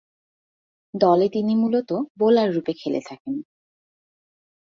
দলে তিনি মূলতঃ বোলাররূপে খেলে থাকেন।